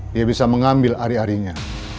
dia bisa mengambil ari arinya